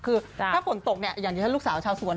คือถ้าฝนตกเนี่ยอย่างที่ท่านลูกสาวชาวสวน